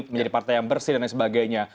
menjadi partai yang bersih dan lain sebagainya